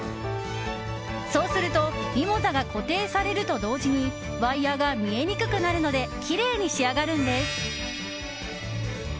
そうするとミモザが固定されると同時にワイヤが見えにくくなるのできれいに仕上がるんです。